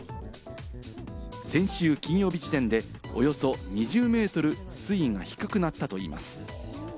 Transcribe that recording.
先週金曜日時点でおよそ２０ｍ水位が低くなったといいます。